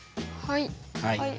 はい。